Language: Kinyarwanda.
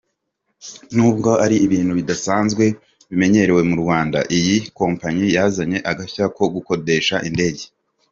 Nubwo ari ibintu bidasanzwe bimenyerewe mu Rwanda, iyi kompanyi yazanye agashya ko gukodesha indege.